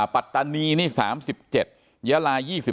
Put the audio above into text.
ปรัตณีนี่๓๗อยรา๒๙